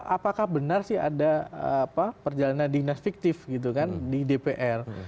apakah benar sih ada perjalanan dinas fiktif gitu kan di dpr